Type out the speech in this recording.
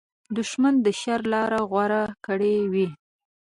دښمن د شر لاره غوره کړې وي